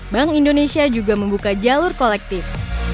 bank indonesia juga membuka jalur kolektif